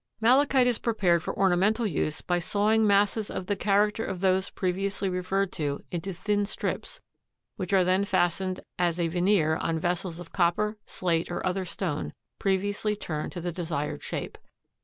Malachite is prepared for ornamental use by sawing masses of the character of those previously referred to into thin strips which are then fastened as a veneer on vessels of copper, slate or other stone previously turned to the desired shape.